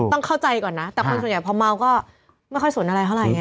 ต้องเข้าใจก่อนนะแต่คนส่วนใหญ่พอเมาก็ไม่ค่อยสนอะไรเท่าไหรไง